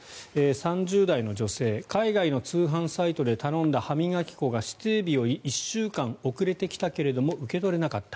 ３０代の女性海外の通販サイトで頼んだ歯磨き粉が指定日より１週間遅れてきたけど受け取れなかった。